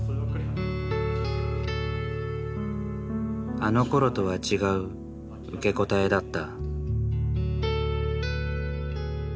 あのころとは違う受け答えだった。